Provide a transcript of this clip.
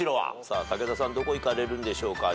さあ武田さんどこいかれるんでしょうかね。